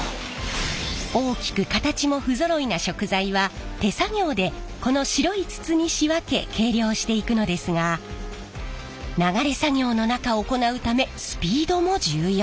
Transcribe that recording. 大きく形も不揃いな食材は手作業でこの白い筒に仕分け計量していくのですが流れ作業の中行うためスピードも重要。